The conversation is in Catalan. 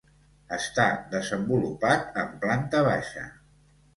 Està desenvolupat en planta baixa.